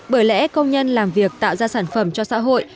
bởi lẽ công nhân làm việc tạo ra sản phẩm cho xã hội